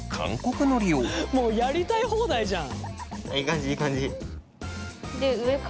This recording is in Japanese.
もうやりたい放題じゃん。